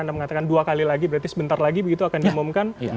anda mengatakan dua kali lagi berarti sebentar lagi begitu akan diumumkan